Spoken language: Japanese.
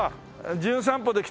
『じゅん散歩』で来た